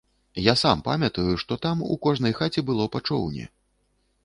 Я сам памятаю, што там у кожнай хаце было па чоўне.